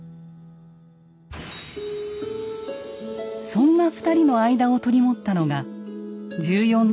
そんな２人の間を取り持ったのが１４代